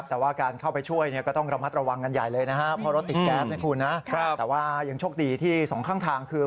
แต่ว่ายังช่วงดีที่ที่๒ข้างทางคือ